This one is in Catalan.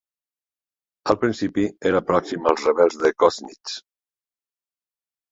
Al principi era pròxim als rebels de Kozhnitz.